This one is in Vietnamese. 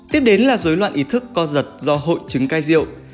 tiếp đến là dối loạn ý thức co giật do hội chứng cai rượu